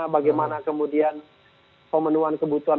bagaimana kemudian pemenuhan kebutuhan